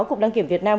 cục đăng kiểm việt nam